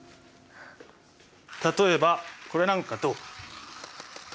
例えばこれなんかどう？